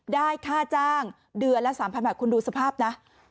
ได้ค่าจ้างเดือนละ๓๐๐บาทคุณดูสภาพนะ